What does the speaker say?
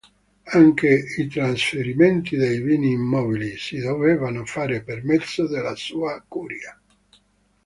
Anche i trasferimenti dei beni immobili si dovevano fare per mezzo della sua curia.